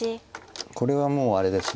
これはもうあれです